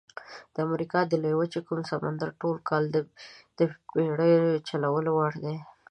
د امریکا لویې وچې کوم سمندرګي ټول کال د بېړیو چلولو وړ دي؟